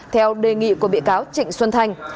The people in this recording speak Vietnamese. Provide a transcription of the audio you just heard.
theo đề nghị của bị cáo trịnh xuân thanh